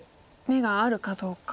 眼があるかどうか。